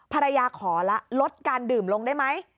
ภรรยาขอละลดการดื่มลงได้ไหม